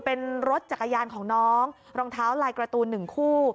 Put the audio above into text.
เป็นรถจักรยานของน้องรองเท้าลายการ์ตูน๑คู่